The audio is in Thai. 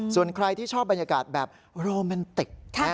ส่วนใครที่ชอบบรรยากาศแบบโรแมนติก